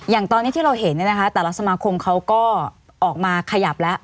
อย่างตอนนี้ที่เราเห็นแต่ละสมาคมเขาก็ออกมาขยับแล้ว